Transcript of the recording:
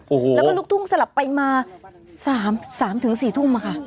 โอ้โหแล้วก็ลุกทุ่งสลับไปมา๓๔ทุ่มค่ะ